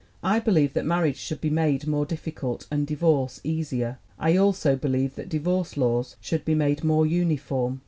"I believe that marriage should be made more dif ficult and divorce easier. I also believe that divorce laws should be made more uniform.